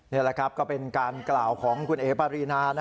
นี่แหละครับก็เป็นการกล่าวของคุณเอ๋ปารีนา